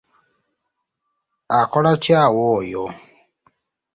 Akola ki awo oyo?